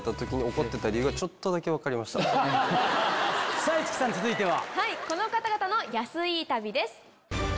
さぁ市來さん続いては？